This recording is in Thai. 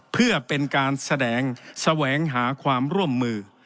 เพื่อเป็นการแสดงแสวงหาความร่วมมือ